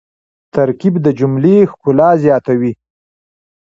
ترکیب د جملې ښکلا زیاتوي.